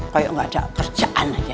kayak nggak ada kerjaan aja